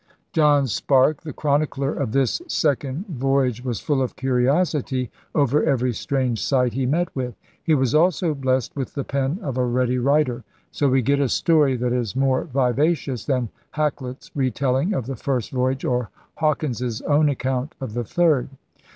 * John Sparke, the chronicler of this second voy age, wa5 full of curiosity over every strange sight he met with. He was also blessed with the pen of a ready writer. So we get a stoiy that is more \'ivacious than Hakluyt's retelling of the first voyage or Hawkins's own account of the third.